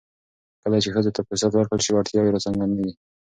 کله چې ښځو ته فرصت ورکړل شي، وړتیاوې راڅرګندېږي.